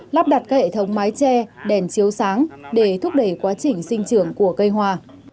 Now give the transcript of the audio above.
lắp đặt các hệ thống mái tre đèn chiếu sáng để thúc đẩy quá trình sinh trưởng của cây hoa